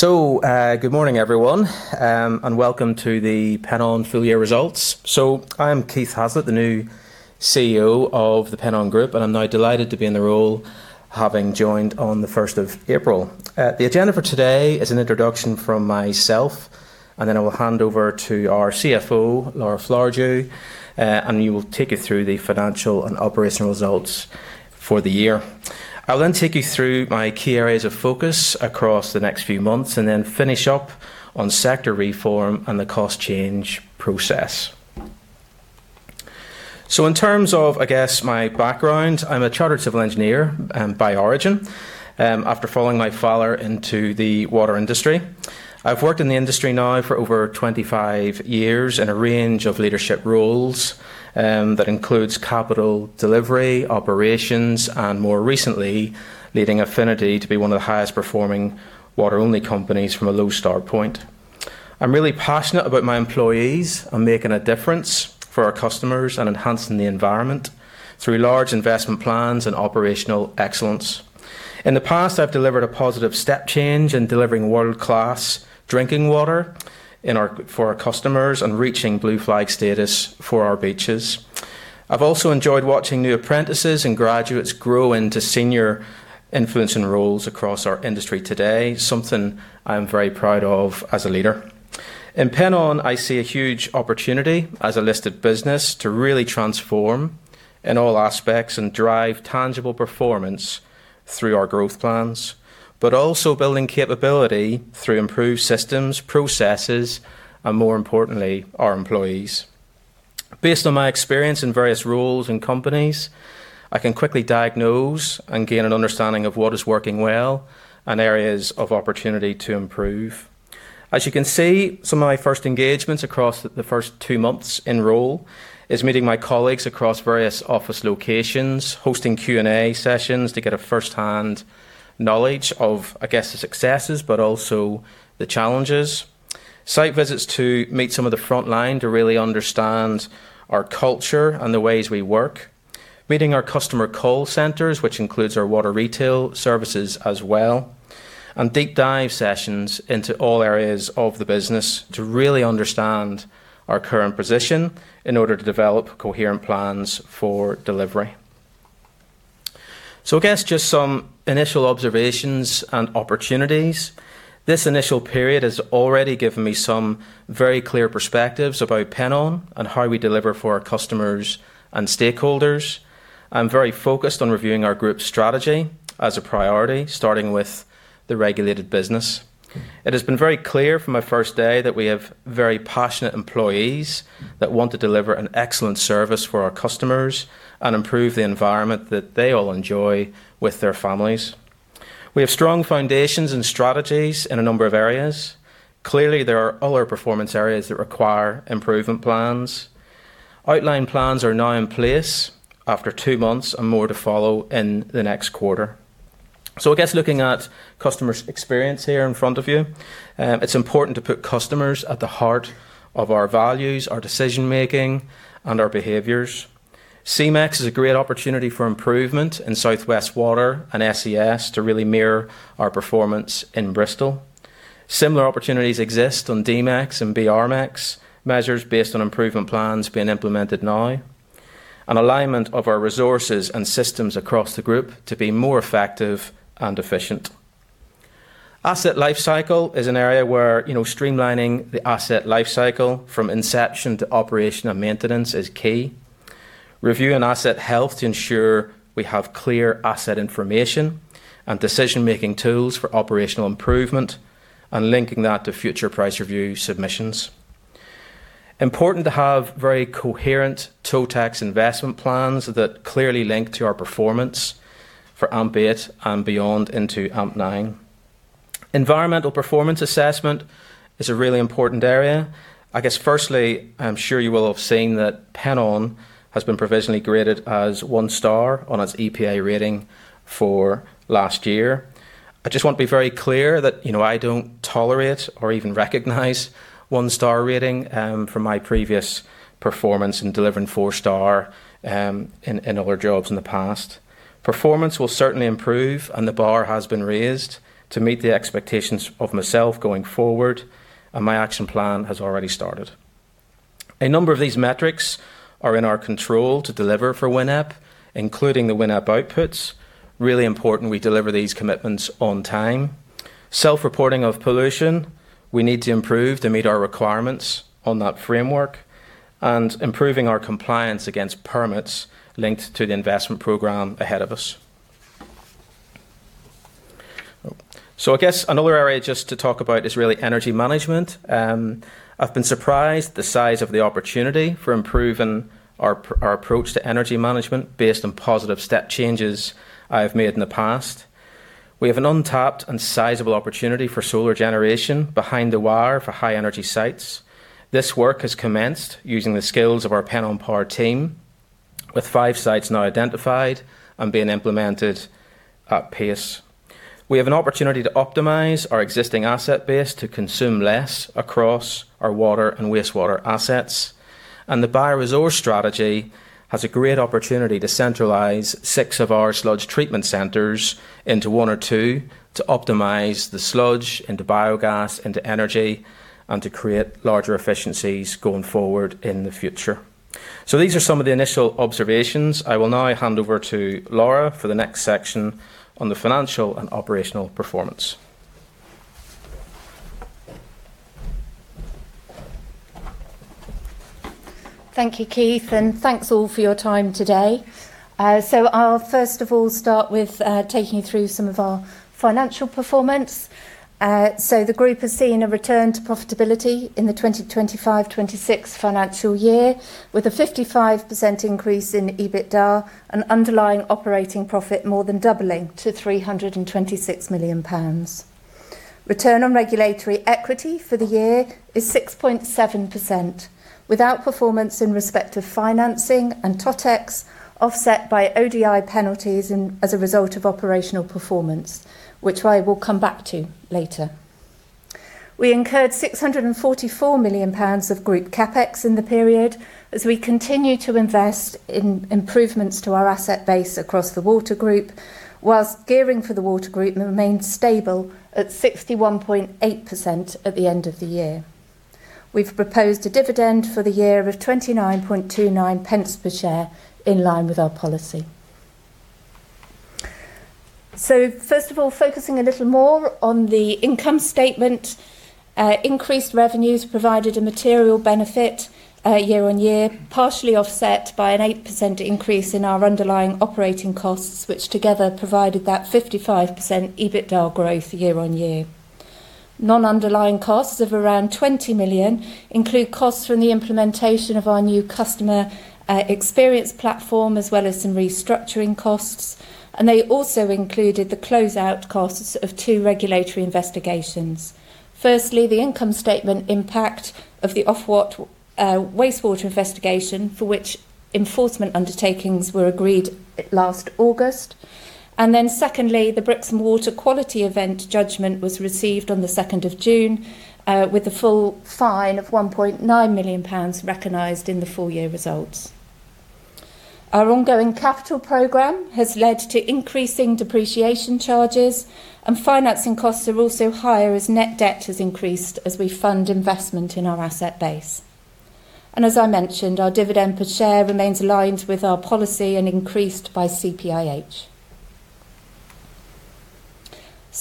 Good morning, everyone, and welcome to the Pennon full year results. I am Keith Haslett, the new Chief Executive Officer of the Pennon Group, and I am now delighted to be in the role, having joined on the of April 1. The agenda for today is an introduction from myself, and then I will hand over to our Chief Financial Officer, Laura Flowerdew, and we will take you through the financial and operational results for the year. I will then take you through my key areas of focus across the next few months, and then finish up on sector reform and the cost change process. In terms of my background, I am a chartered Civil Engineer, by origin, after following my father into the water industry. I have worked in the industry now for over 25 years in a range of leadership roles. That includes capital delivery, operations, and more recently, leading Affinity to be one of the highest performing water-only companies from a low start point. I am really passionate about my employees and making a difference for our customers and enhancing the environment through large investment plans and operational excellence. In the past, I have delivered a positive step change in delivering world-class drinking water for our customers and reaching Blue Flag status for our beaches. I have also enjoyed watching new apprentices and graduates grow into senior influencing roles across our industry today, something I am very proud of as a leader. In Pennon, I see a huge opportunity as a listed business to really transform in all aspects and drive tangible performance through our growth plans. Also building capability through improved systems, processes, and more importantly, our employees. Based on my experience in various roles in companies, I can quickly diagnose and gain an understanding of what is working well and areas of opportunity to improve. Some of my first engagements across the first first months in role is meeting my colleagues across various office locations, hosting Q&A sessions to get a firsthand knowledge of the successes, but also the challenges. Site visits to meet some of the front line to really understand our culture and the ways we work. Meeting our customer call centers, which includes our water retail services as well. Deep dive sessions into all areas of the business to really understand our current position in order to develop coherent plans for delivery. Just some initial observations and opportunities. This initial period has already given me some very clear perspectives about Pennon and how we deliver for our customers and stakeholders. I am very focused on reviewing our group strategy as a priority, starting with the regulated business. It has been very clear from my first day that we have very passionate employees that want to deliver an excellent service for our customers and improve the environment that they all enjoy with their families. We have strong foundations and strategies in a number of areas. Clearly, there are other performance areas that require improvement plans. Outline plans are now in place after two months and more to follow in the next quarter. Looking at customer experience here in front of you, it is important to put customers at the heart of our values, our decision-making, and our behaviors. C-MeX is a great opportunity for improvement in South West Water and SES to really mirror our performance in Bristol. Similar opportunities exist on D-MeX and BR-MeX. Measures based on improvement plans being implemented now. Alignment of our resources and systems across the group to be more effective and efficient. Asset lifecycle is an area where streamlining the asset lifecycle from inception to operation and maintenance is key. Reviewing asset health to ensure we have clear asset information and decision-making tools for operational improvement, and linking that to future price review submissions. Important to have very coherent TotEx investment plans that clearly link to our performance for AMP8 and beyond into AMP9. Environmental performance assessment is a really important area. I guess, firstly, I am sure you will have seen that Pennon has been provisionally graded as 1 star on its EPA rating for last year. I just want to be very clear that I do not tolerate or even recognize 1-star rating, from my previous performance in delivering 4 star in other jobs in the past. Performance will certainly improve. The bar has been raised to meet the expectations of myself going forward. My action plan has already started. A number of these metrics are in our control to deliver for WINEP, including the WINEP outputs. Really important we deliver these commitments on time. Self-reporting of pollution, we need to improve to meet our requirements on that framework, and improving our compliance against permits linked to the investment program ahead of us. I guess another area just to talk about is really energy management. I have been surprised the size of the opportunity for improving our approach to energy management based on positive step changes I have made in the past. We have an untapped and sizable opportunity for solar generation behind the wire for high energy sites. This work has commenced using the skills of our Pennon Power team. With five sites now identified and being implemented at pace. We have an opportunity to optimize our existing asset base to consume less across our water and wastewater assets, and the bioresource strategy has a great opportunity to centralize six of our sludge treatment centers into one or two to optimize the sludge into biogas, into energy, and to create larger efficiencies going forward in the future. These are some of the initial observations. I will now hand over to Laura for the next section on the financial and operational performance. Thank you, Keith. Thanks all for your time today. I will first of all start with taking you through some of our financial performance. The group has seen a return to profitability in the 2025/2026 financial year, with a 55% increase in EBITDA and underlying operating profit more than doubling to 326 million pounds. Return on regulatory equity for the year is 6.7%, with outperformance in respect of financing and TotEx offset by ODI penalties as a result of operational performance, which I will come back to later. We incurred 644 million pounds of group CapEx in the period as we continue to invest in improvements to our asset base across the Water Group, whilst gearing for the Water Group remained stable at 61.8% at the end of the year. We have proposed a dividend for the year of Pence 29.29 per share, in line with our policy. First of all, focusing a little more on the income statement, increased revenues provided a material benefit year-on-year, partially offset by an 8% increase in our underlying operating costs, which together provided that 55% EBITDA growth year-on-year. Non-underlying costs of around 20 million include costs from the implementation of our new customer experience platform, as well as some restructuring costs. They also included the closeout costs of two regulatory investigations. Firstly, the income statement impact of the Ofwat wastewater investigation, for which enforcement undertakings were agreed last August. Secondly, the Brixham water quality event judgment was received on June 2, with a full fine of 1.9 million pounds recognized in the full-year results. Our ongoing capital program has led to increasing depreciation charges, financing costs are also higher as net debt has increased as we fund investment in our asset base. As I mentioned, our dividend per share remains aligned with our policy and increased by CPIH.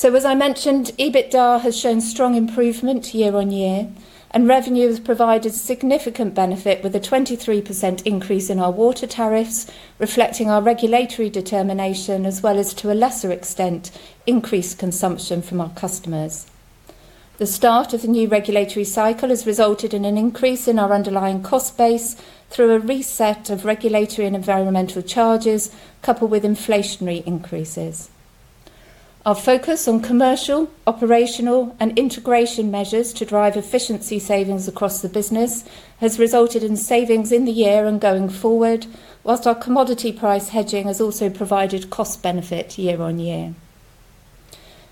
As I mentioned, EBITDA has shown strong improvement year-on-year, revenue has provided significant benefit with a 23% increase in our water tariffs, reflecting our regulatory determination as well as, to a lesser extent, increased consumption from our customers. The start of the new regulatory cycle has resulted in an increase in our underlying cost base through a reset of regulatory and environmental charges, coupled with inflationary increases. Our focus on commercial, operational, and integration measures to drive efficiency savings across the business has resulted in savings in the year and going forward, whilst our commodity price hedging has also provided cost benefit year on year.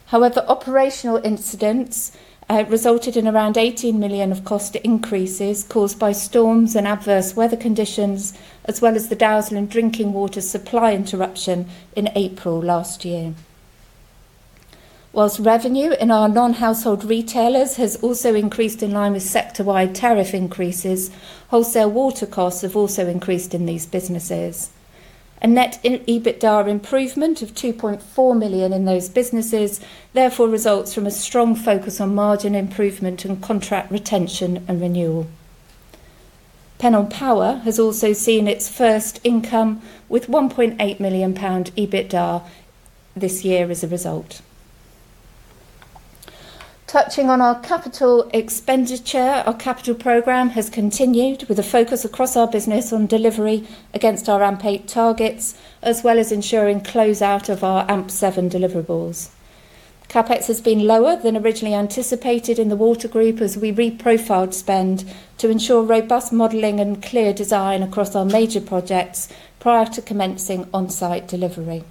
However, operational incidents resulted in around 18 million of cost increases caused by storms and adverse weather conditions, as well as the Dawson drinking water supply interruption in April last year. Whilst revenue in our non-household retailers has also increased in line with sector-wide tariff increases, wholesale water costs have also increased in these businesses. A net EBITDA improvement of 2.4 million in those businesses therefore results from a strong focus on margin improvement and contract retention and renewal. Pennon Power has also seen its first income, with 1.8 million pound EBITDA this year as a result. Touching on our capital expenditure, our capital program has continued with a focus across our business on delivery against our AMP8 targets, as well as ensuring closeout of our AMP7 deliverables. CapEx has been lower than originally anticipated in the Water Group as we reprofiled spend to ensure robust modeling and clear design across our major projects prior to commencing on-site delivery.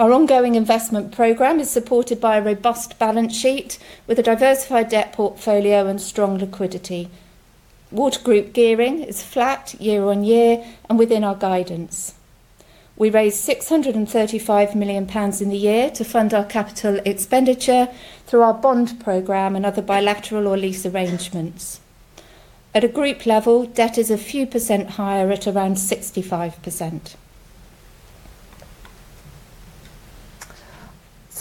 Our ongoing investment program is supported by a robust balance sheet with a diversified debt portfolio and strong liquidity. Water Group gearing is flat year on year and within our guidance. We raised 635 million pounds in the year to fund our capital expenditure through our bond program and other bilateral or lease arrangements. At a group level, debt is a few percent higher at around 65%.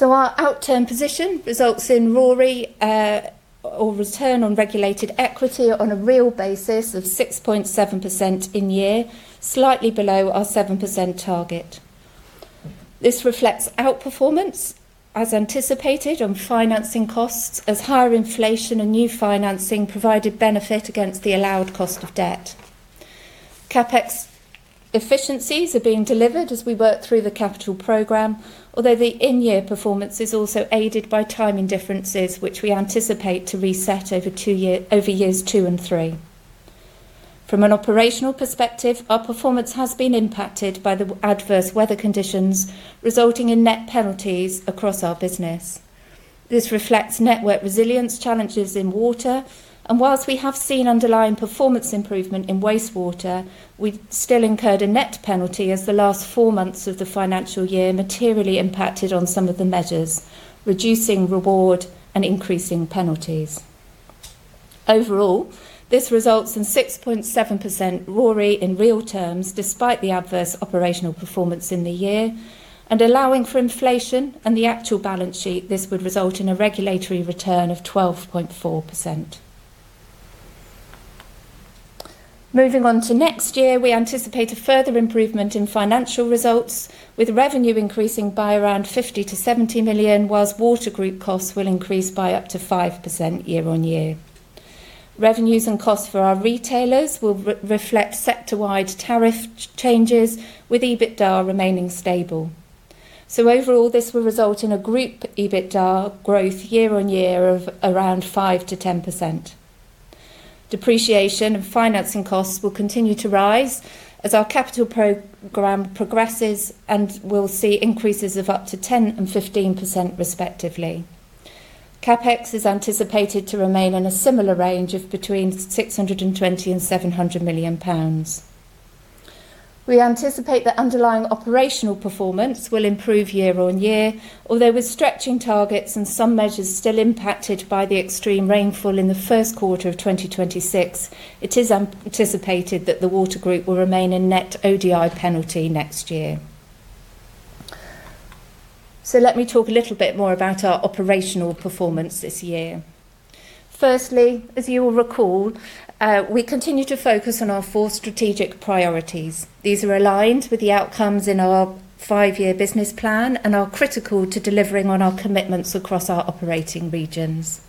Our outturn position results in RoRE, or return on regulated equity, on a real basis of 6.7% in year, slightly below our 7% target. This reflects outperformance, as anticipated, on financing costs as higher inflation and new financing provided benefit against the allowed cost of debt. CapEx efficiencies are being delivered as we work through the capital program, although the in-year performance is also aided by timing differences, which we anticipate to reset over years two and year three. From an operational perspective, our performance has been impacted by the adverse weather conditions, resulting in net penalties across our business. This reflects network resilience challenges in water, and whilst we have seen underlying performance improvement in wastewater, we still incurred a net penalty as the last four months of the financial year materially impacted on some of the measures, reducing reward and increasing penalties. Overall, this results in 6.7% RoRE in real terms, despite the adverse operational performance in the year. Allowing for inflation and the actual balance sheet, this would result in a regulatory return of 12.4%. Moving on to next year, we anticipate a further improvement in financial results, with revenue increasing by around 50 million-70 million, whilst Water Group costs will increase by up to 5% year-on-year. Revenues and costs for our retailers will reflect sector-wide tariff changes, with EBITDA remaining stable. Overall, this will result in a group EBITDA growth year-on-year of around 5%-10%. Depreciation and financing costs will continue to rise as our capital program progresses, and we'll see increases of up to 10% and 15% respectively. CapEx is anticipated to remain in a similar range of between 620 million and 700 million pounds. We anticipate that underlying operational performance will improve year on year, although with stretching targets and some measures still impacted by the extreme rainfall in the first quarter of 2026, it is anticipated that the Water Group will remain a net ODI penalty next year. Let me talk a little bit more about our operational performance this year. Firstly, as you will recall, we continue to focus on our four strategic priorities. These are aligned with the outcomes in our five-year business plan and are critical to delivering on our commitments across our operating regions.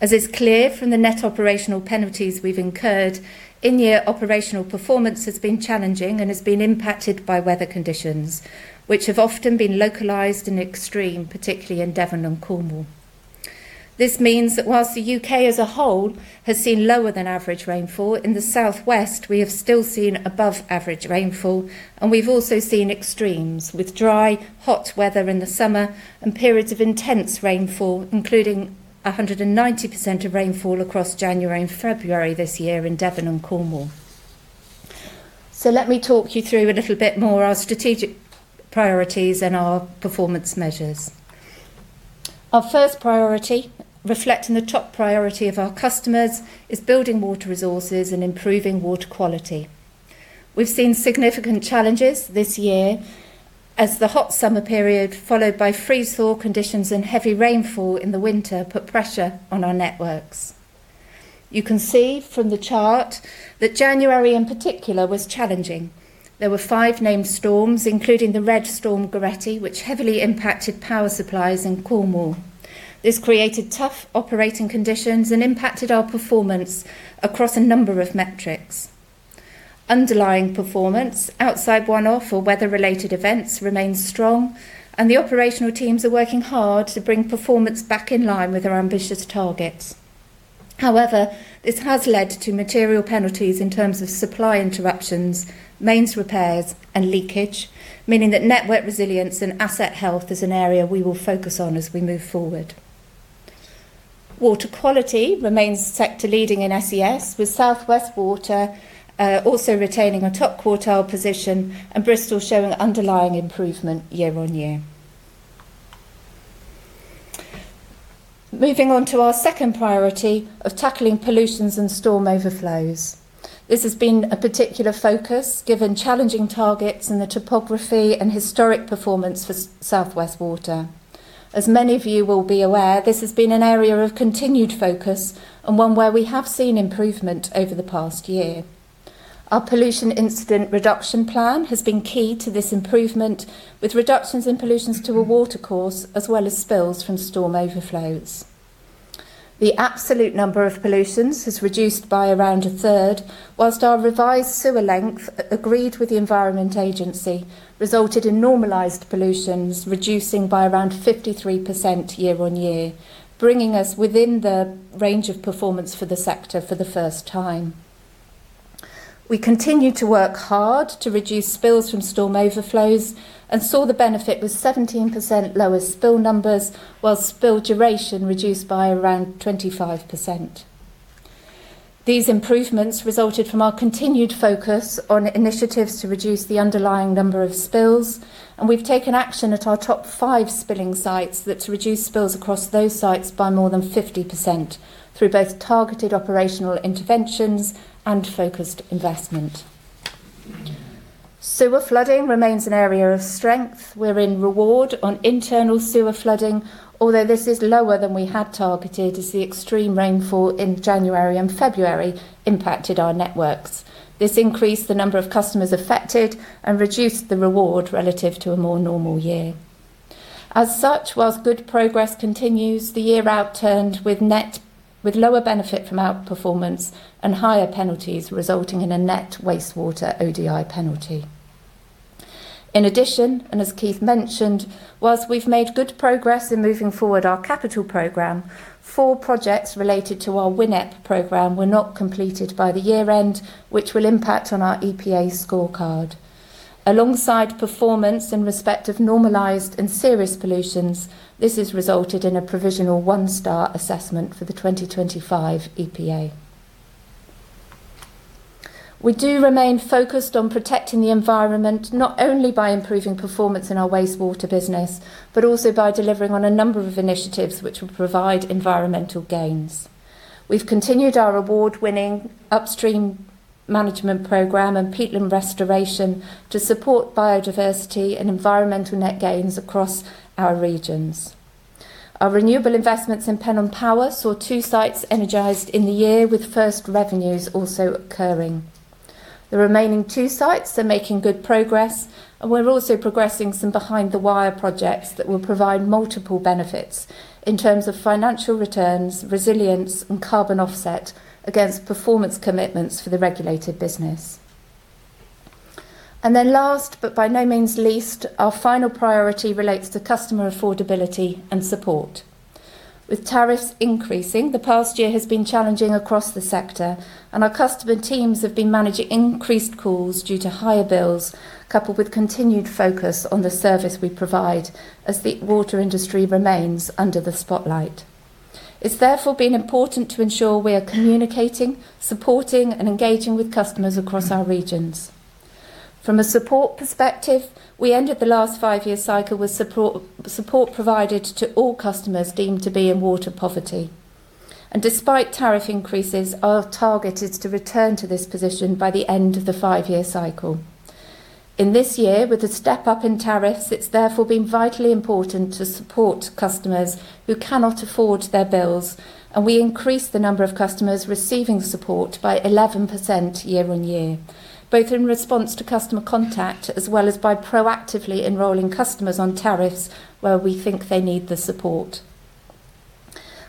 As is clear from the net operational penalties we've incurred, in-year operational performance has been challenging and has been impacted by weather conditions, which have often been localized and extreme, particularly in Devon and Cornwall. This means that whilst the U.K. as a whole has seen lower than average rainfall, in the southwest, we have still seen above average rainfall, and we've also seen extremes, with dry, hot weather in the summer and periods of intense rainfall, including 190% of rainfall across January and February this year in Devon and Cornwall. Let me talk you through a little bit more our strategic priorities and our performance measures. Our first priority, reflecting the top priority of our customers, is building water resources and improving water quality. We've seen significant challenges this year as the hot summer period followed by freeze-thaw conditions and heavy rainfall in the winter put pressure on our networks. You can see from the chart that January in particular was challenging. There were five named storms, including the red Storm Gerrit, which heavily impacted power supplies in Cornwall. This created tough operating conditions and impacted our performance across a number of metrics. Underlying performance, outside one-off or weather-related events, remains strong, and the operational teams are working hard to bring performance back in line with our ambitious targets. This has led to material penalties in terms of supply interruptions, mains repairs, and leakage, meaning that network resilience and asset health is an area we will focus on as we move forward. Water quality remains sector leading in SES, with South West Water also retaining a top quartile position and Bristol showing underlying improvement year-on-year. Moving on to our second priority of tackling pollutions and storm overflows. This has been a particular focus given challenging targets and the topography and historic performance for South West Water. As many of you will be aware, this has been an area of continued focus and one where we have seen improvement over the past year. Our pollution incident reduction plan has been key to this improvement, with reductions in pollutions to a watercourse, as well as spills from storm overflows. The absolute number of pollutions has reduced by around a third, whilst our revised sewer length, agreed with the Environment Agency, resulted in normalized pollutions reducing by around 53% year-on-year, bringing us within the range of performance for the sector for the first time. We continue to work hard to reduce spills from storm overflows and saw the benefit with 17% lower spill numbers, while spill duration reduced by around 25%. These improvements resulted from our continued focus on initiatives to reduce the underlying number of spills. We've taken action at our top five spilling sites that reduce spills across those sites by more than 50%, through both targeted operational interventions and focused investment. Sewer flooding remains an area of strength. We're in reward on internal sewer flooding, although this is lower than we had targeted as the extreme rainfall in January and February impacted our networks. This increased the number of customers affected and reduced the reward relative to a more normal year. As such, whilst good progress continues, the year out turned with lower benefit from outperformance and higher penalties, resulting in a net wastewater ODI penalty. In addition, as Keith mentioned, whilst we've made good progress in moving forward our capital program, four projects related to our WINEP program were not completed by the year-end, which will impact on our EPA scorecard. Alongside performance in respect of normalized and serious pollutions, this has resulted in a provisional one-star assessment for the 2025 EPA. We do remain focused on protecting the environment, not only by improving performance in our wastewater business, but also by delivering on a number of initiatives which will provide environmental gains. We've continued our award-winning upstream management program and peatland restoration to support biodiversity and environmental net gains across our regions. Our renewable investments in Pennon Power saw two sites energized in the year, with first revenues also occurring. The remaining two sites are making good progress, we're also progressing some behind the wire projects that will provide multiple benefits in terms of financial returns, resilience, and carbon offset against performance commitments for the regulated business. Last, but by no means least, our final priority relates to customer affordability and support. With tariffs increasing, the past year has been challenging across the sector, and our customer teams have been managing increased calls due to higher bills, coupled with continued focus on the service we provide, as the water industry remains under the spotlight. It's therefore been important to ensure we are communicating, supporting, and engaging with customers across our regions. From a support perspective, we ended the last five-year cycle with support provided to all customers deemed to be in water poverty. Despite tariff increases, our target is to return to this position by the end of the five-year cycle. In this year, with a step up in tariffs, it's therefore been vitally important to support customers who cannot afford their bills, and we increased the number of customers receiving support by 11% year-on-year, both in response to customer contact as well as by proactively enrolling customers on tariffs where we think they need the support.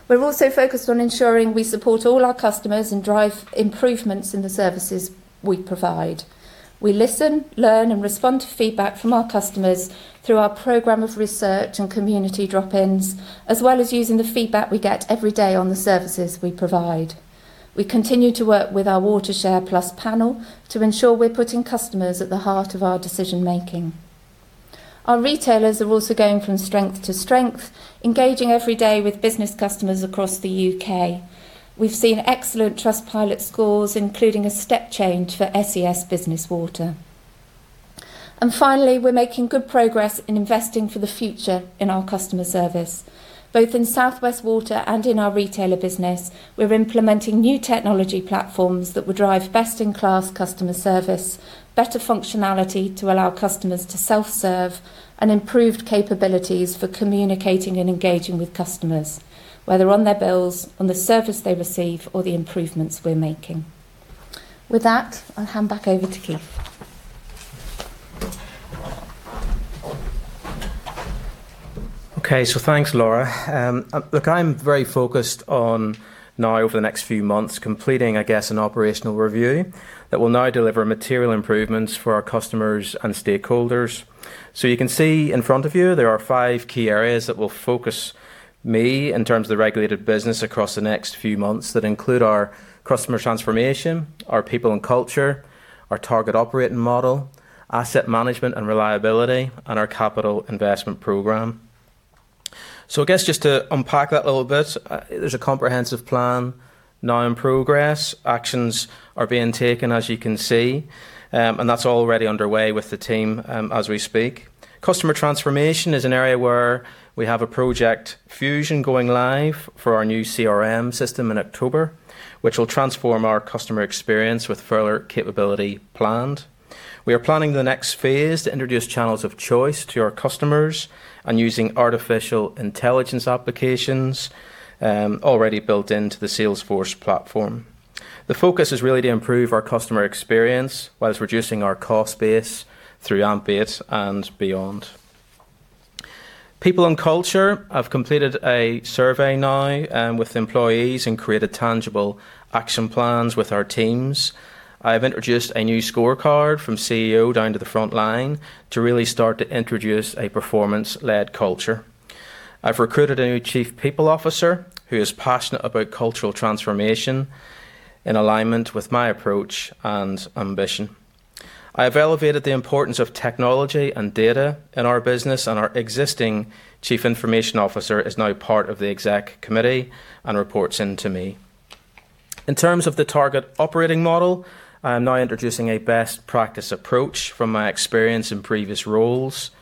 We're also focused on ensuring we support all our customers and drive improvements in the services we provide. We listen, learn, and respond to feedback from our customers through our program of research and community drop-ins, as well as using the feedback we get every day on the services we provide. We continue to work with our WaterShare+ panel to ensure we're putting customers at the heart of our decision making. Our retailers are also going from strength to strength, engaging every day with business customers across the U.K. We've seen excellent Trustpilot scores, including a step change for SES Business Water. Finally, we're making good progress in investing for the future in our customer service. Both in South West Water and in our retailer business, we're implementing new technology platforms that will drive best-in-class customer service, better functionality to allow customers to self-serve, and improved capabilities for communicating and engaging with customers, whether on their bills, on the service they receive, or the improvements we're making. With that, I'll hand back over to Keith. Okay. Thanks, Laura. Look, I'm very focused on now over the next few months completing, I guess, an operational review that will now deliver material improvements for our customers and stakeholders. You can see in front of you, there are five key areas that will focus me in terms of the regulated business across the next few months that include our customer transformation, our people and culture, our target operating model, asset management and reliability, and our capital investment program. I guess just to unpack that a little bit, there's a comprehensive plan now in progress. Actions are being taken, as you can see, and that's already underway with the team as we speak. Customer transformation is an area where we have a Project Fusion going live for our new CRM system in October, which will transform our customer experience with further capability planned. We are planning the next phase to introduce channels of choice to our customers and using artificial intelligence applications already built into the Salesforce platform. The focus is really to improve our customer experience whilst reducing our cost base through AMP8 and beyond. People and culture. I've completed a survey now with employees and created tangible action plans with our teams. I've introduced a new scorecard from Chief Executive Officer down to the front line to really start to introduce a performance-led culture. I've recruited a new Chief People Officer who is passionate about cultural transformation in alignment with my approach and ambition. I have elevated the importance of technology and data in our business and our existing Chief Information Officer is now part of the Executive Committee and reports in to me. In terms of the target operating model, I am now introducing a best practice approach from my experience in previous roles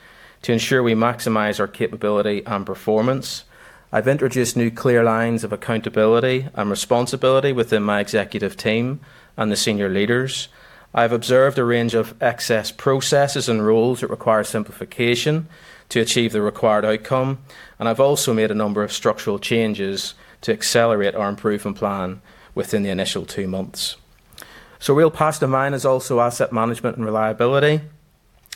to ensure we maximize our capability and performance. I've introduced new clear lines of accountability and responsibility within my Executive team and the senior leaders. I've observed a range of excess processes and roles that require simplification to achieve the required outcome, and I've also made a number of structural changes to accelerate our improvement plan within the initial two months. A real passion of mine is also asset management and reliability.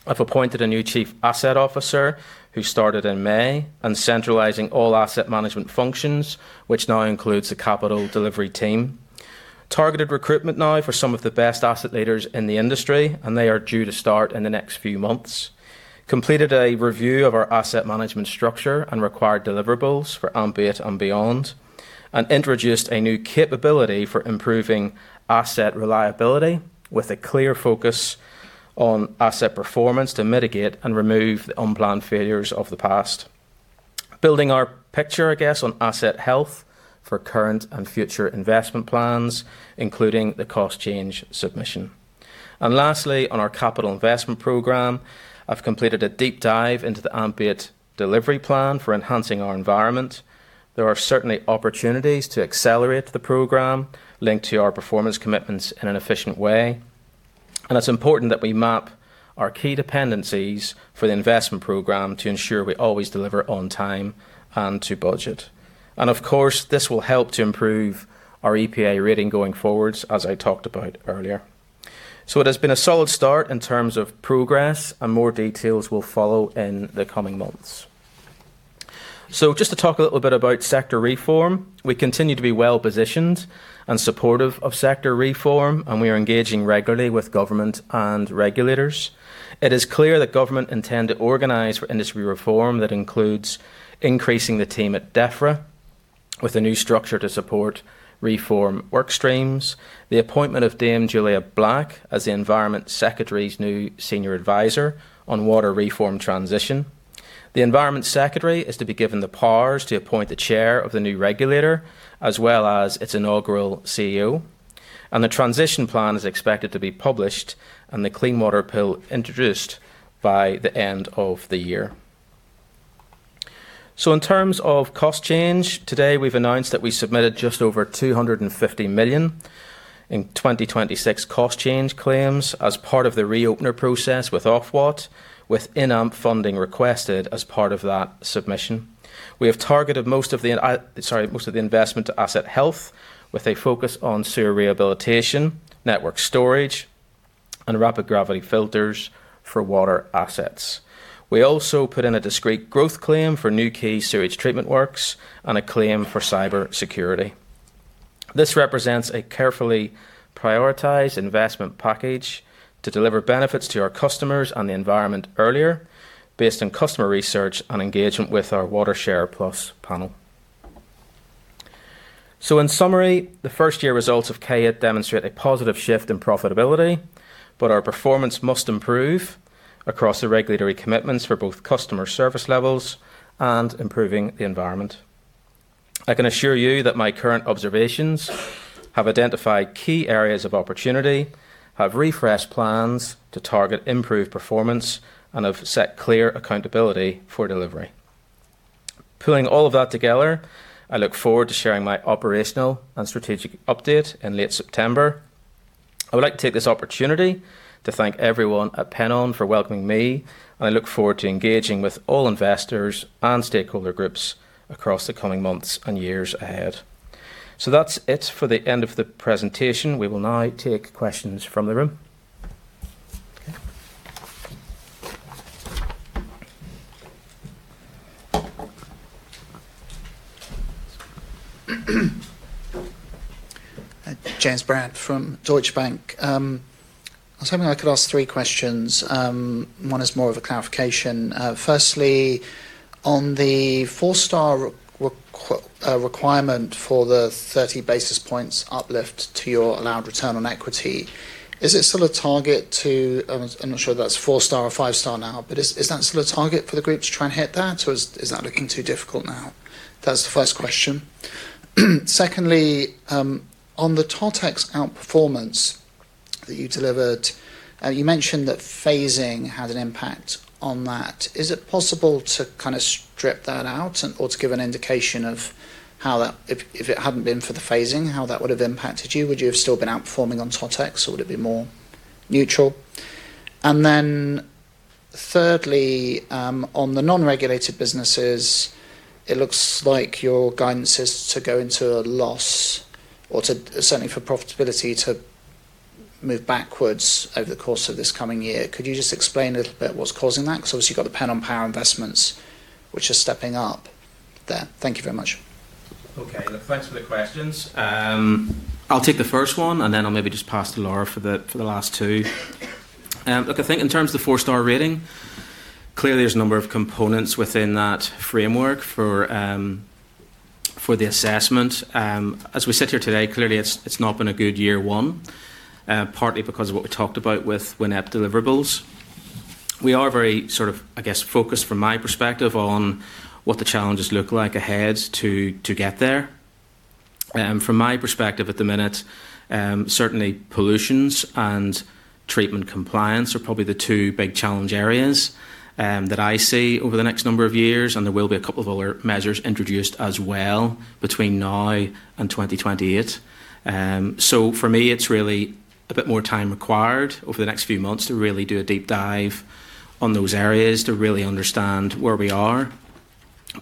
I've appointed a new Chief Asset Officer who started in May, and centralizing all asset management functions, which now includes the capital delivery team. Targeted recruitment now for some of the best asset leaders in the industry, and they are due to start in the next few months. Completed a review of our asset management structure and required deliverables for AMP8 and beyond, and introduced a new capability for improving asset reliability with a clear focus on asset performance to mitigate and remove the unplanned failures of the past. Building our picture, I guess, on asset health for current and future investment plans, including the cost change submission. Lastly, on our capital investment program, I've completed a deep dive into the AMP8 delivery plan for enhancing our environment. There are certainly opportunities to accelerate the program linked to our performance commitments in an efficient way, and it's important that we map our key dependencies for the investment program to ensure we always deliver on time and to budget. Of course, this will help to improve our EPA rating going forwards, as I talked about earlier. It has been a solid start in terms of progress, and more details will follow in the coming months. Just to talk a little bit about sector reform, we continue to be well-positioned and supportive of sector reform, and we are engaging regularly with government and regulators. It is clear that government intend to organize for industry reform that includes increasing the team at Defra, with a new structure to support reform work streams. The appointment of Dame Julia Black as the Environment Secretary's new Senior Advisor on Water Reform Transition. The Environment Secretary is to be given the powers to appoint the Chair of the new regulator as well as its inaugural Chief Executive Officer. The transition plan is expected to be published, and the Clean Water Bill introduced by the end of the year. In terms of cost change, today we've announced that we submitted just over 250 million in 2026 cost change claims as part of the reopener process with Ofwat, with in-AMP funding requested as part of that submission. We have targeted most of the investment to asset health, with a focus on sewer rehabilitation, network storage, and rapid gravity filters for water assets. We also put in a discrete growth claim for new key sewage treatment works and a claim for cyber security. This represents a carefully prioritized investment package to deliver benefits to our customers and the environment earlier, based on customer research and engagement with our WaterShare+ panel. In summary, the first year results of K8 demonstrate a positive shift in profitability, but our performance must improve across the regulatory commitments for both customer service levels and improving the environment. I can assure you that my current observations have identified key areas of opportunity, have refreshed plans to target improved performance, and have set clear accountability for delivery. Pulling all of that together, I look forward to sharing my operational and strategic update in late September. I would like to take this opportunity to thank everyone at Pennon for welcoming me, and I look forward to engaging with all investors and stakeholder groups across the coming months and years ahead. That's it for the end of the presentation. We will now take questions from the room. Okay. James Brand from Deutsche Bank. I was hoping I could ask 3 questions. One is more of a clarification. Firstly, on the four-star requirement for the 30 basis points uplift to your allowed return on equity. Is it still a target to I am not sure if that's four-star or five-star now, but is that still a target for the group to try and hit that, or is that looking too difficult now? That's the first question. Secondly, on the TotEx outperformance that you delivered, you mentioned that phasing had an impact on that. Is it possible to kind of strip that out? Or to give an indication of how that, if it hadn't been for the phasing, how that would have impacted you. Would you have still been outperforming on TotEx, or would it be more neutral? Thirdly, on the non-regulated businesses, it looks like your guidance is to go into a loss or to, certainly for profitability, to move backwards over the course of this coming year. Could you just explain a little bit what's causing that? Because obviously you've got the Pennon Power investments which are stepping up there. Thank you very much. Thanks for the questions. I'll take the first one, then I'll maybe just pass to Laura for the last two. I think in terms of the four-star rating, clearly there's a number of components within that framework for the assessment. As we sit here today, clearly it's not been a good year one, partly because of what we talked about with WINEP deliverables. We are very sort of, I guess, focused from my perspective on what the challenges look like ahead to get there. From my perspective at the minute, certainly pollutions and treatment compliance are probably the two big challenge areas that I see over the next number of years, there will be a couple of other measures introduced as well between now and 2028. For me, it's really a bit more time required over the next few months to really do a deep dive on those areas to really understand where we are.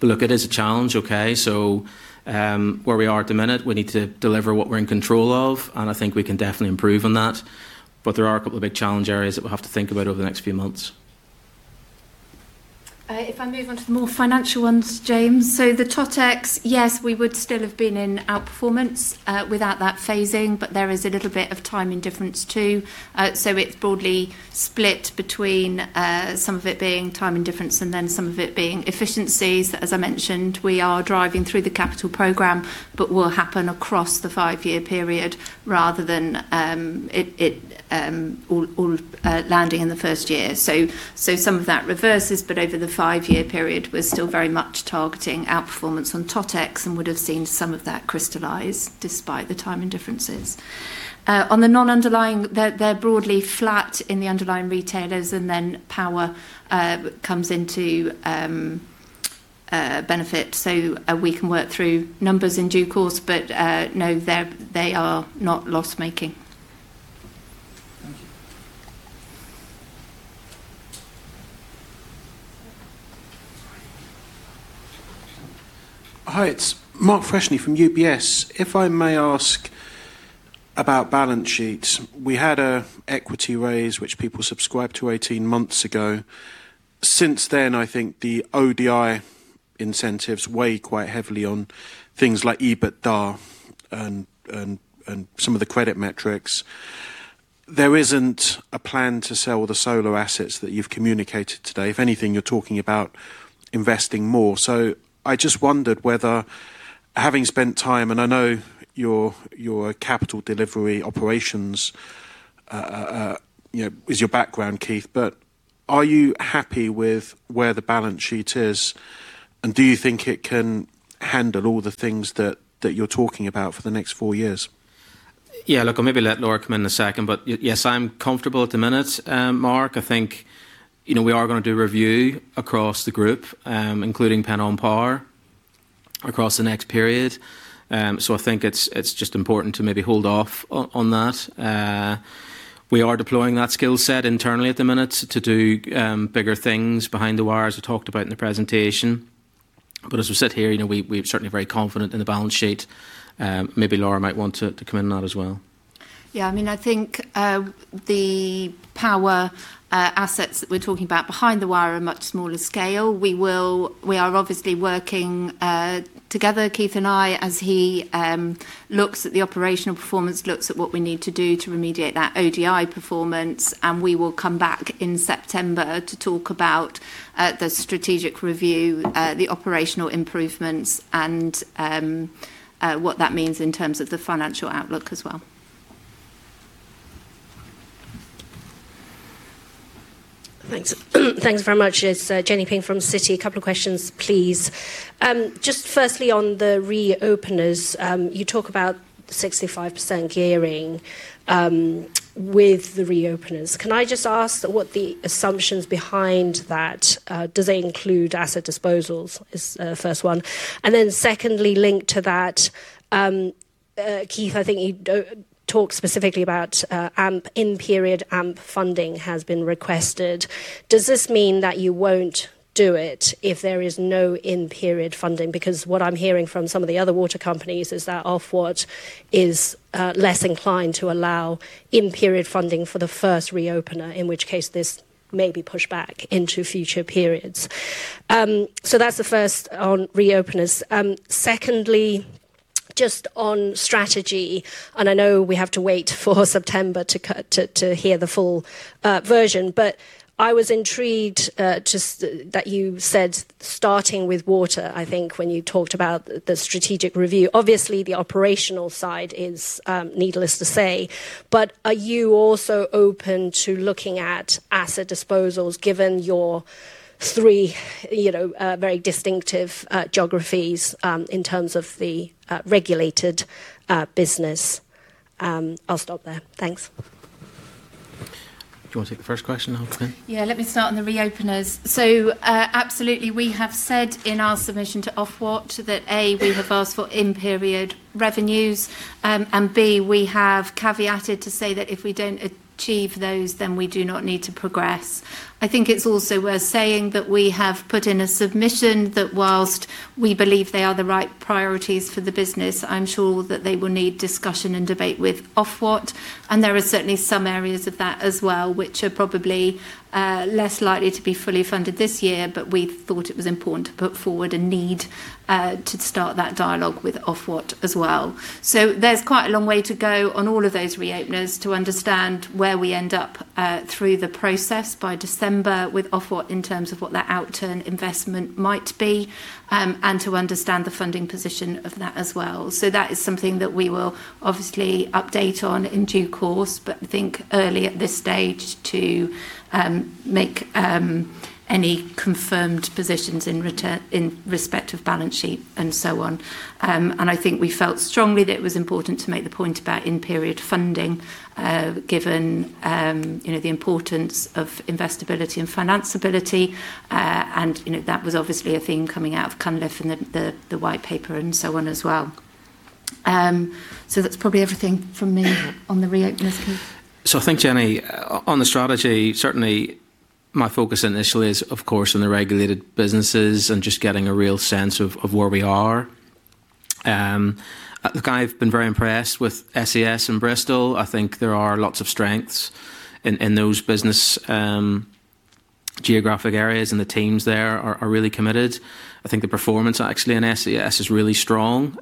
Look, it is a challenge, okay? Where we are at the minute, we need to deliver what we're in control of, I think we can definitely improve on that. There are a couple of big challenge areas that we'll have to think about over the next few months. If I move on to the more financial ones, James. The TotEx, yes, we would still have been in outperformance without that phasing, there is a little bit of timing difference too. It's broadly split between some of it being timing difference, then some of it being efficiencies. As I mentioned, we are driving through the capital program, will happen across the five-year period rather than it all landing in the first year. Some of that reverses, over the five-year period, we're still very much targeting outperformance on TotEx, would've seen some of that crystallize despite the timing differences. On the non-underlying, they're broadly flat in the underlying retailers, then power comes into benefit. We can work through numbers in due course, no, they are not loss-making. Thank you. Hi, it is Mark Freshney from UBS. If I may ask about balance sheets. We had an equity raise, which people subscribed to 18 months ago. Since then, I think the ODI incentives weigh quite heavily on things like EBITDA and some of the credit metrics. There isn't a plan to sell the solar assets that you've communicated today. If anything, you are talking about investing more. I just wondered whether, having spent time, and I know your capital delivery operations is your background, Keith, are you happy with where the balance sheet is, and do you think it can handle all the things that you are talking about for the next four years? Yeah, look, I will maybe let Laura Flowerdew come in a second. Yes, I am comfortable at the minute, Mark. I think, we are going to do a review across the group, including Pennon Power, across the next period. I think it is just important to maybe hold off on that. We are deploying that skill set internally at the minute to do bigger things behind the wires we talked about in the presentation. As we sit here, we are certainly very confident in the balance sheet. Maybe Laura might want to come in on that as well. Yeah, I think the power assets that we are talking about behind the wire are much smaller scale. We are obviously working together, Keith Haslett and I, as he looks at the operational performance, looks at what we need to do to remediate that ODI performance. We will come back in September to talk about the strategic review, the operational improvements, and what that means in terms of the financial outlook as well. Thanks very much. It is Jenny Ping from Citi. A couple of questions, please. Just firstly on the reopeners. You talk about 65% gearing with the reopeners. Can I just ask what the assumptions behind that? Do they include asset disposals? Is the first one. Secondly, linked to that, Keith Haslett, I think you talked specifically about AMP. In-period AMP funding has been requested. Does this mean that you won't do it if there is no in-period funding? What I am hearing from some of the other water companies is that Ofwat is less inclined to allow in-period funding for the first reopener, in which case this may be pushed back into future periods. That's the first on reopeners. Secondly, just on strategy, I know we have to wait for September to hear the full version, I was intrigued that you said, starting with water, I think when you talked about the strategic review. Obviously, the operational side is needless to say. Are you also open to looking at asset disposals given your three very distinctive geographies, in terms of the regulated business? I'll stop there. Thanks. Do you want to take the first question, and I'll come in? Let me start on the reopeners. Absolutely we have said in our submission to Ofwat that, A, we have asked for in-period revenues, and B, we have caveated to say that if we don't achieve those, then we do not need to progress. I think it's also worth saying that we have put in a submission that whilst we believe they are the right priorities for the business, I'm sure that they will need discussion and debate with Ofwat, and there are certainly some areas of that as well, which are probably less likely to be fully funded this year. We thought it was important to put forward a need to start that dialogue with Ofwat as well. There's quite a long way to go on all of those reopeners to understand where we end up through the process by December with Ofwat in terms of what that outturn investment might be, and to understand the funding position of that as well. That is something that we will obviously update on in due course, but think early at this stage to make any confirmed positions in respect of balance sheet and so on. I think we felt strongly that it was important to make the point about in-period funding, given the importance of investibility and financeability. That was obviously a theme coming out of Cunliffe and the white paper and so on as well. That's probably everything from me on the regulatory. I think, Jenny, on the strategy, certainly my focus initially is, of course, on the regulated businesses and just getting a real sense of where we are. Look, I've been very impressed with SES and Bristol. I think there are lots of strengths in those business geographic areas, and the teams there are really committed. I think the performance actually in SES is really strong.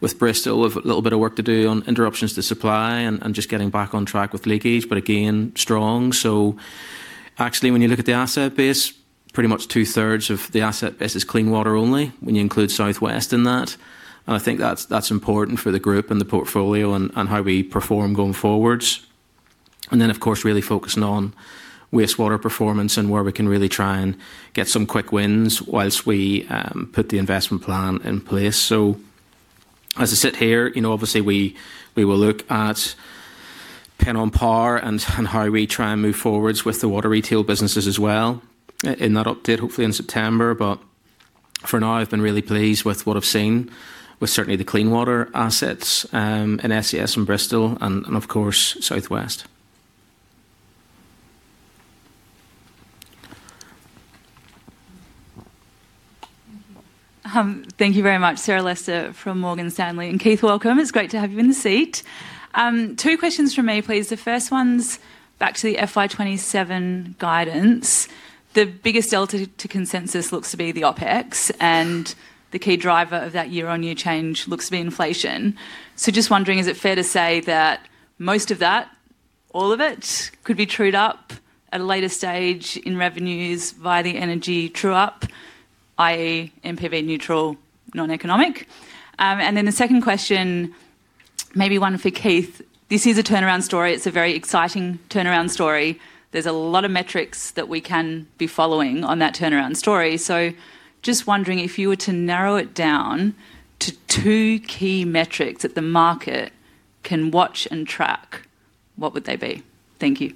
With Bristol, we've a little bit of work to do on interruptions to supply and just getting back on track with leakage, but again, strong. Actually, when you look at the asset base, pretty much two-thirds of the asset base is clean water only, when you include South West in that. I think that's important for the group and the portfolio and how we perform going forwards. Of course, really focusing on wastewater performance and where we can really try and get some quick wins whilst we put the investment plan in place. As I sit here, obviously we will look at Pennon Water Services and how we try and move forwards with the water retail businesses as well in that update, hopefully in September. For now, I've been really pleased with what I've seen with certainly the clean water assets, in SES and Bristol and, of course, South West. Thank you very much. Sarah Lester from Morgan Stanley. Keith, welcome. It's great to have you in the seat. Two questions from me, please. The first one's back to the FY 2027 guidance. The biggest delta to consensus looks to be the OpEx, and the key driver of that year-on-year change looks to be inflation. Just wondering, is it fair to say that most of that, all of it, could be trued up at a later stage in revenues via the energy true-up, i.e., NPV neutral, non-economic? The second question, maybe one for Keith. This is a turnaround story. It's a very exciting turnaround story. There's a lot of metrics that we can be following on that turnaround story. Just wondering, if you were to narrow it down to two key metrics that the market can watch and track, what would they be? Thank you.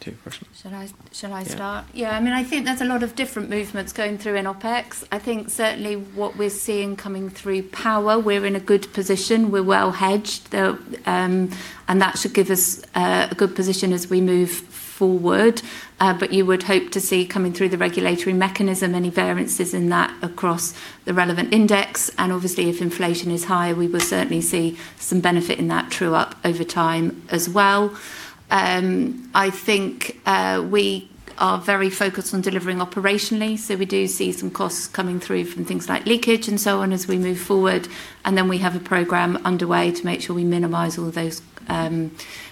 Okay. Two questions. Shall I start? Yeah. Yeah. I think there's a lot of different movements going through in OpEx. I think certainly what we're seeing coming through power, we're in a good position. We're well hedged. That should give us a good position as we move forward. You would hope to see coming through the regulatory mechanism, any variances in that across the relevant index, and obviously, if inflation is high, we will certainly see some benefit in that true-up over time as well. I think we are very focused on delivering operationally, so we do see some costs coming through from things like leakage and so on as we move forward, and then we have a program underway to make sure we minimize all those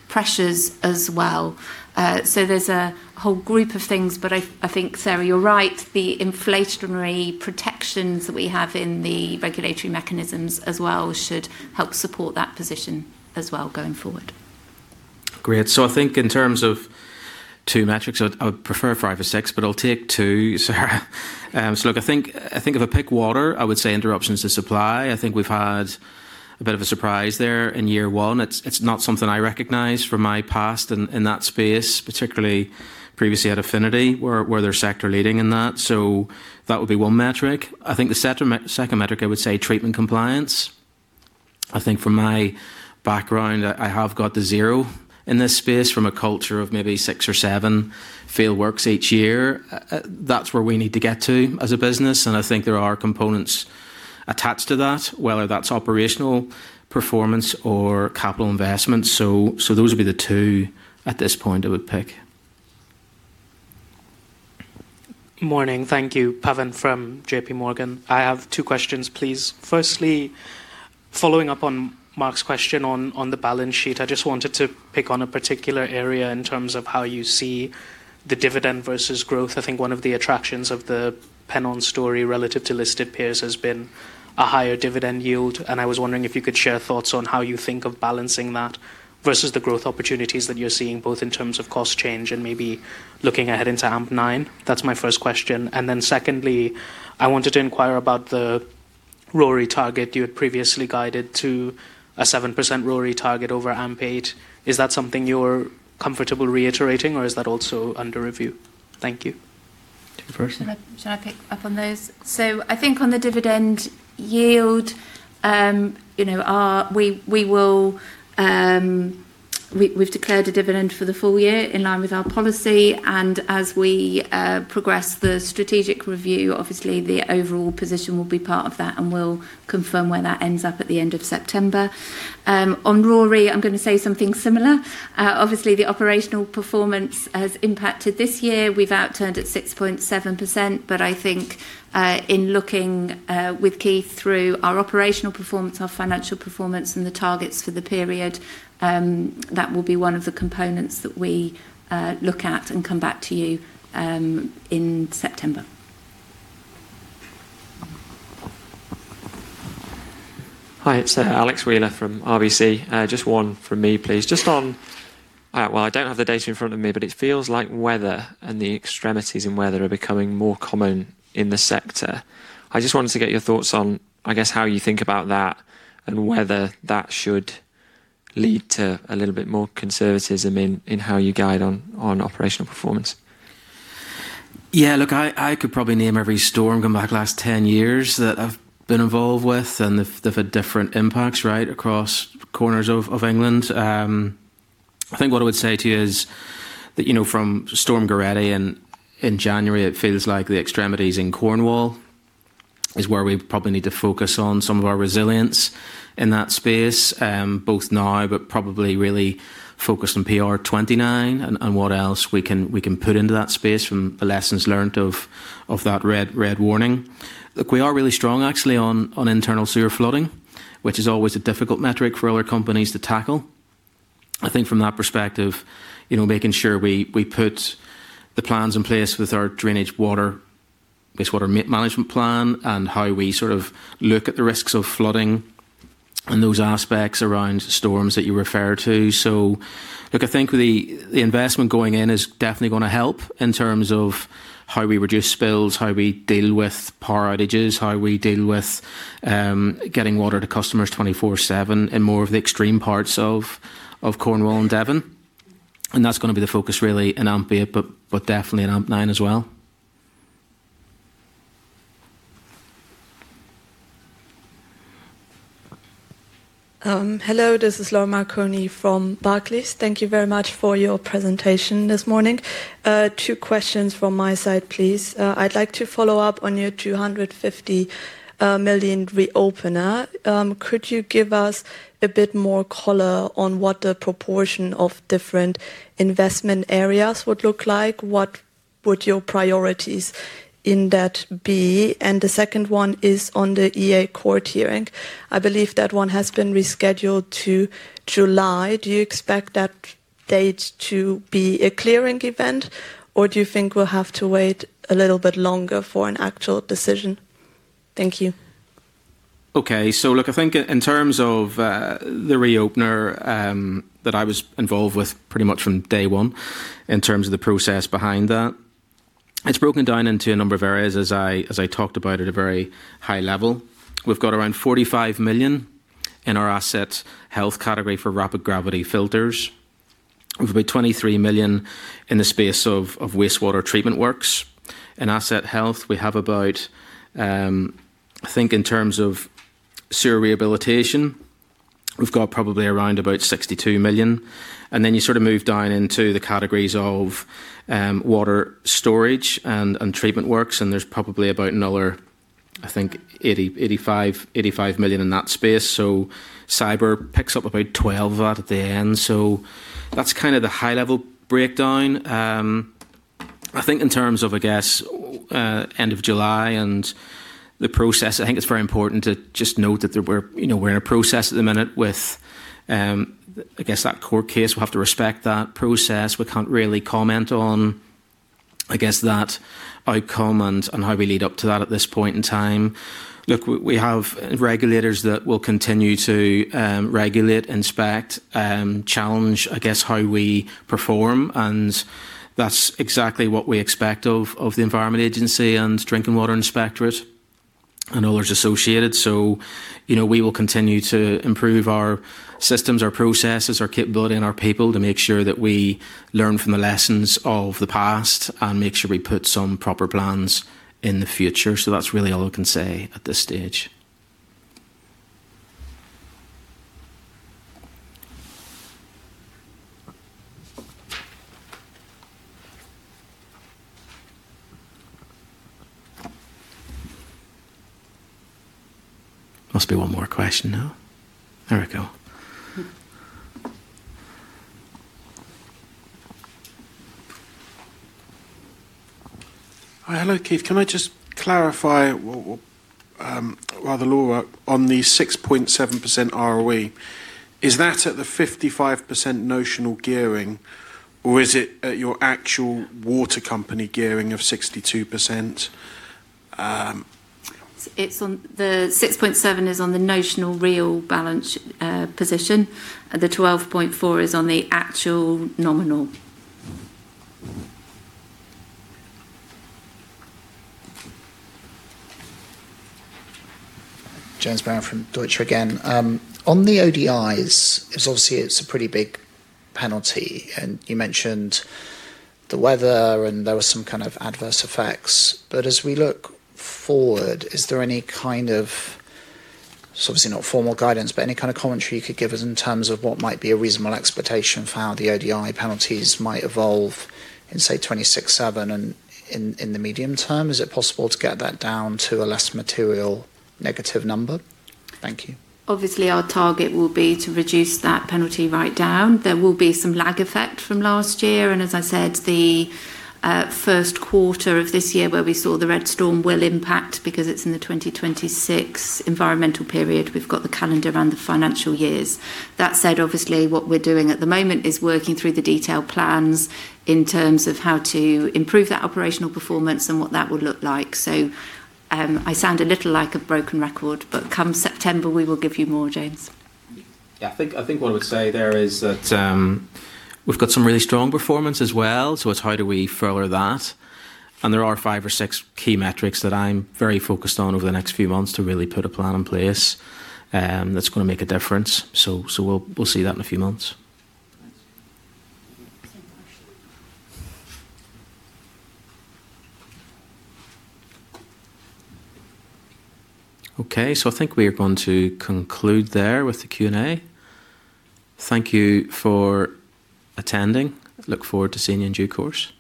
pressures as well. There's a whole group of things, but I think, Sarah, you're right. The inflationary protections that we have in the regulatory mechanisms as well should help support that position as well going forward. Great. I think in terms of two metrics, I would prefer five or six, but I'll take two, Sarah. Look, I think if I pick water, I would say interruptions to supply. I think we've had a bit of a surprise there in year one. It's not something I recognize from my past in that space, particularly previously at Affinity, where they're sector leading in that. That would be one metric. I think the second metric, I would say treatment compliance. I think from my background, I have got the zero in this space from a culture of maybe six or seven fail works each year. That's where we need to get to as a business, and I think there are components attached to that, whether that's operational performance or capital investment. Those would be the two at this point I would pick. Morning? Thank you. Pavan from JPMorgan. I have two questions, please. Firstly, following up on Mark's question on the balance sheet, I just wanted to pick on a particular area in terms of how you see the dividend versus growth. I think one of the attractions of the Pennon story relative to listed peers has been a higher dividend yield. I was wondering if you could share thoughts on how you think of balancing that versus the growth opportunities that you're seeing, both in terms of cost change and maybe looking ahead into AMP9. That's my first question. Secondly, I wanted to inquire about the RoRE target. You had previously guided to a 7% RoRE target over AMP8. Is that something you're comfortable reiterating, or is that also under review? Thank you. Two questions. Shall I pick up on those? I think on the dividend yield, we've declared a dividend for the full year in line with our policy, and as we progress the strategic review, obviously the overall position will be part of that, and we'll confirm where that ends up at the end of September. On RoRE, I'm going to say something similar. Obviously, the operational performance has impacted this year. We've outturned at 6.7%, but I think, in looking with Keith through our operational performance, our financial performance, and the targets for the period, that will be one of the components that we look at and come back to you in September. Hi. It's Alex Wheeler from RBC. Just one from me, please. Well, I don't have the data in front of me, but it feels like weather and the extremities in weather are becoming more common in the sector. I just wanted to get your thoughts on, I guess, how you think about that, and whether that should lead to a little bit more conservatism in how you guide on operational performance. Look, I could probably name every storm going back the last 10 years that I've been involved with, and they've had different impacts, right, across corners of England. I think what I would say to you is that, from Storm Gerrit in January, it feels like the extremities in Cornwall is where we probably need to focus on some of our resilience in that space, both now, but probably really focused on PR 29 and what else we can put into that space from the lessons learned of that red warning. We are really strong actually on internal sewer flooding, which is always a difficult metric for other companies to tackle. I think from that perspective, making sure we put the plans in place with our drainage wastewater management plan and how we sort of look at the risks of flooding and those aspects around storms that you refer to. Look, I think the investment going in is definitely going to help in terms of how we reduce spills, how we deal with power outages, how we deal with getting water to customers 24/7 in more of the extreme parts of Cornwall and Devon. That's going to be the focus really in AMP8, but definitely in AMP9 as well. Hello, this is Laura Marconi from Barclays. Thank you very much for your presentation this morning. Two questions from my side, please. I'd like to follow up on your 250 million reopener. Could you give us a bit more color on what the proportion of different investment areas would look like? What would your priorities in that be? The second one is on the EA court hearing. I believe that one has been rescheduled to July. Do you expect that date to be a clearing event, or do you think we'll have to wait a little bit longer for an actual decision? Thank you. Look, I think in terms of the reopener that I was involved with pretty much from day one, in terms of the process behind that, it's broken down into a number of areas as I talked about at a very high level. We've got around 45 million in our asset health category for rapid gravity filters, with about 23 million in the space of wastewater treatment works. In asset health, we have about, I think in terms of sewer rehabilitation, we've got probably around about 62 million. Then you sort of move down into the categories of water storage and treatment works, and there's probably about another, I think, 85 million in that space. Cyber picks up about [12 million] at the end. That's kind of the high level breakdown. I think in terms of, I guess, end of July and the process, I think it's very important to just note that we're in a process at the minute with, I guess that court case. We'll have to respect that process. We can't really comment on, I guess, that outcome and how we lead up to that at this point in time. Look, we have regulators that will continue to regulate, inspect, challenge how we perform, and that's exactly what we expect of the Environment Agency and Drinking Water Inspectorate and others associated. We will continue to improve our systems, our processes, our capability, and our people to make sure that we learn from the lessons of the past and make sure we put some proper plans in the future. That's really all I can say at this stage. Must be one more question, no? There we go. Hi. Hello, Keith. Can I just clarify, while Laura, on the 6.7% ROE, is that at the 55% notional gearing or is it at your actual water company gearing of 62%? The 6.7% is on the notional real balance position. The 12.4% is on the actual nominal. James Brand from Deutsche Bank again. On the ODIs, obviously, it's a pretty big penalty, and you mentioned the weather, and there were some kind of adverse effects. As we look forward, is there any kind of, obviously not formal guidance, but any kind of commentary you could give us in terms of what might be a reasonable expectation for how the ODI penalties might evolve in, say, 2026, 2027, and in the medium term? Is it possible to get that down to a less material negative number? Thank you. Obviously, our target will be to reduce that penalty right down. There will be some lag effect from last year, and as I said, the first quarter of this year where we saw Storm Gerrit will impact because it's in the 2026 environmental period. We've got the calendar and the financial years. That said, obviously, what we're doing at the moment is working through the detailed plans in terms of how to improve that operational performance and what that would look like. I sound a little like a broken record, but come September, we will give you more, James. Yeah, I think what I would say there is that we've got some really strong performance as well, so it's how do we further that. There are five or six key metrics that I'm very focused on over the next few months to really put a plan in place that's going to make a difference. We'll see that in a few months. Okay. I think we are going to conclude there with the Q&A. Thank you for attending. Look forward to seeing you in due course.